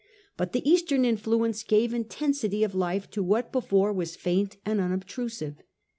But the Eastern influence gave intensity of life to what before was faint and unobtrusive.